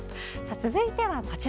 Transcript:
続いてはこちら。